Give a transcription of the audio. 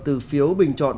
từ phiếu bình chọn